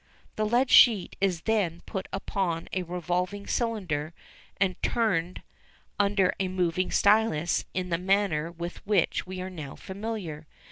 The lead sheet is then put upon a revolving cylinder and turned under a moving stylus in the manner with which we are now familiar.